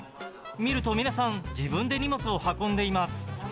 見ると皆さん自分で荷物を運んでいます。